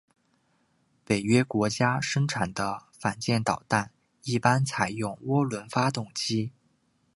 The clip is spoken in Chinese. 北约国家生产的反舰导弹一般采用涡轮发动机。